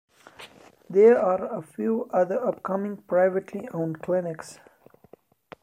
There are a few other upcoming privately owned clinics.